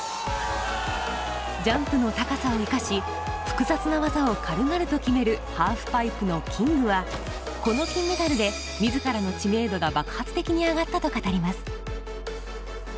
ジャンプの高さを生かし複雑な技を軽々と決めるハーフパイプのキングはこの金メダルで自らの知名度が爆発的に上がったと語ります。